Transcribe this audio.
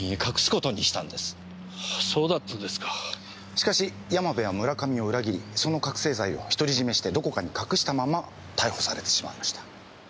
しかし山部は村上を裏切りその覚せい剤を独り占めしてどこかに隠したまま逮捕されてしまいました。